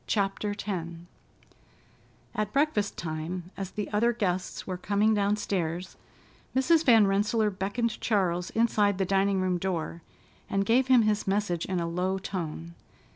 CHAPTER X At breakfast time, as the other guests were coming downstairs, Mrs. Van Rensselaer beckoned Charles inside the dining room door, and gave him his message in a low tone.